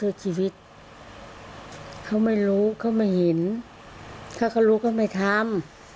เพื่อชีวิตเขาไม่รู้เขาไม่เห็นถ้าเขารู้ก็ไม่ทำ